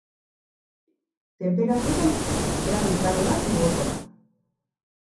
Tenperatura gradu pare bat igoko da.